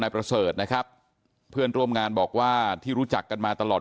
ประเสริฐนะครับเพื่อนร่วมงานบอกว่าที่รู้จักกันมาตลอด